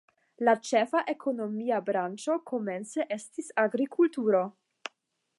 La ĉefa ekonomia branĉo komence estis agrikulturo.